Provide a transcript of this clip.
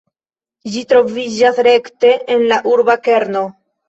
Ĝi troviĝas rekte en la urba kerno.